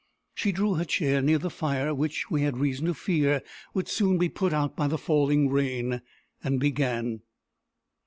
She drew her chair near the fire, which we had reason to fear would soon be put out by the falling rain, and began.